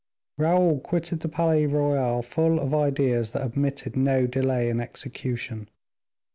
Raoul quitted the Palais Royal full of ideas that admitted no delay in execution.